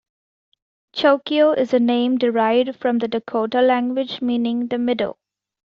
Chokio is a name derived from the Dakota language meaning "the middle".